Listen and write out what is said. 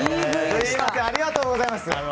すみませんありがとうございます。